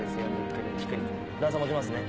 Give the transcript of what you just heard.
段差持ちますね。